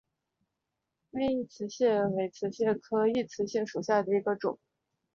微异瓷蟹为瓷蟹科异瓷蟹属下的一个种。